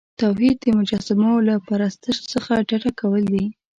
توحید د مجسمو له پرستش څخه ډډه کول دي.